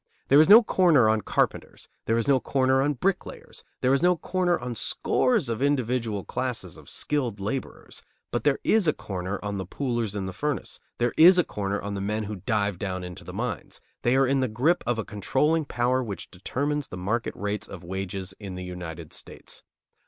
There is no corner on carpenters, there is no corner on bricklayers, there is no corner on scores of individual classes of skilled laborers; but there is a corner on the poolers in the furnaces, there is a corner on the men who dive down into the mines; they are in the grip of a controlling power which determines the market rates of wages in the United States.